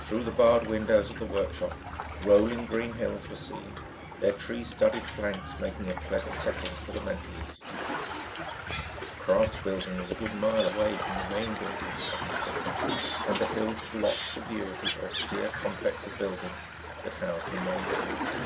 Through the barred windows of the workshop, rolling green hills were seen, their tree studded flanks making a pleasant setting for the mental institution. The crafts building was a good mile away from the main buildings of the hospital and the hills blocked the view of the austere complex of buildings that housed the main wards.